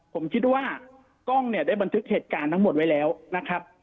ผมคิดว่ากล้องเนี่ยได้บันทึกเหตุการณ์ทั้งหมดไว้แล้วนะครับ